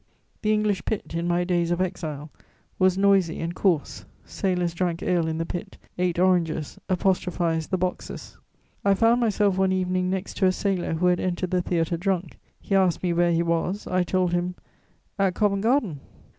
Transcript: The English pit, in my days of exile, was noisy and coarse; sailors drank ale in the pit, ate oranges, apostrophized the boxes. I found myself one evening next to a sailor who had entered the theatre drunk; he asked me where he was; I told him: "At Covent Garden."